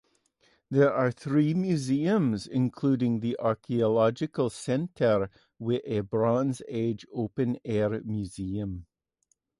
There are three museums, including the Archaeological Centre with a Bronze Age open-air museum.